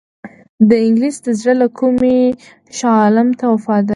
انګلیسیان د زړه له کومي شاه عالم ته وفادار دي.